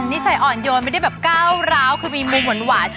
นิสัยอ่อนโยนไม่ได้แบบก้าวร้าวคือมีมุมหวาน